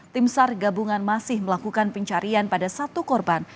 tim sar gabungan masih melakukan pencarian pada satu korban